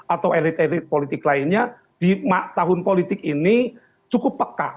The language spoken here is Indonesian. atau elit elit politik lainnya di tahun politik ini cukup peka